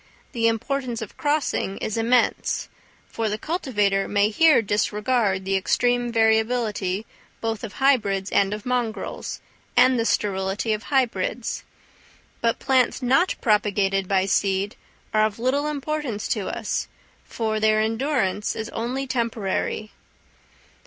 the importance of crossing is immense; for the cultivator may here disregard the extreme variability both of hybrids and of mongrels, and the sterility of hybrids; but plants not propagated by seed are of little importance to us, for their endurance is only temporary.